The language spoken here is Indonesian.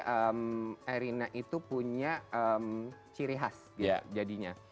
erina itu punya ciri khas jadinya